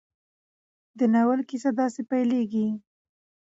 د ناول کیسه داسې پيلېږي.